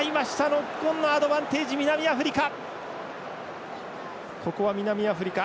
ノックオンのアドバンテージ南アフリカ。